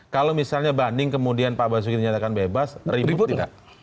kalau misalnya banding kemudian pak basuki dinyatakan bebas ribut tidak